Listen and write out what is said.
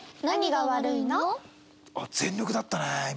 あっ全力だったね今。